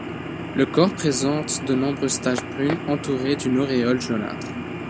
Le corps présente de nombreuses taches brunes entourées d'une auréole jaunâtre.